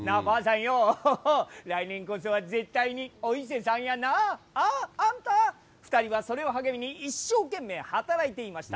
来年こそ来年こそはお伊勢さんやなああ、あんた２人はそれを励みに一生懸命働いていました。